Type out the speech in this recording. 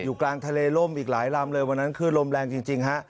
กลางทะเลล่มอีกหลายลำเลยวันนั้นคือลมแรงจริงฮะ